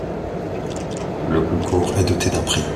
Le concours est doté d'un prix.